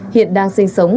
hiện đang sinh sống